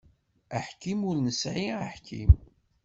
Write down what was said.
Aḥkim ur nesεi aḥkim.